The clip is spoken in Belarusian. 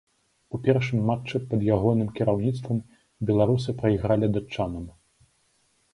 У першым матчы пад ягоным кіраўніцтвам беларусы прайгралі датчанам.